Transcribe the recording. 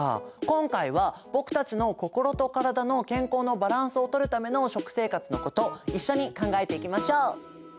今回は僕たちの心とからだの健康のバランスをとるための食生活のこと一緒に考えていきましょう。